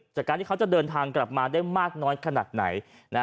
จากการที่เขาจะเดินทางกลับมาได้มากน้อยขนาดไหน